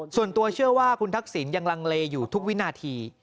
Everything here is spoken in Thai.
ส่วนตัวเชื่อว่าคุณทักษิณยังลังเลอยู่ทุกวินาที